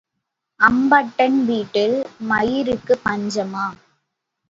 அம்பட்டன் வீட்டில் மயிருக்குப் பஞ்சமா?